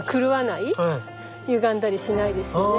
ゆがんだりしないで済むね。